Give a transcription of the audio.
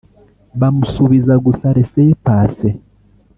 bamusubiza gusa Laissez- Passer